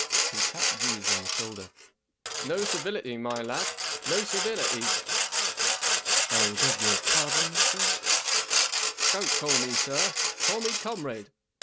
He tapped Jeeves on the shoulder. 14 No servility, my lad; no servility !"" I beg your pardon, sir ? J1 ' Don't call me ' sir Call me Comrade.